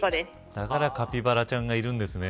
だからカピバラちゃんがいるんですね。